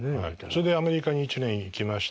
それでアメリカに１年行きまして。